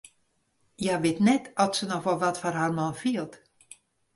Hja wit net oft se noch wol wat foar har man fielt.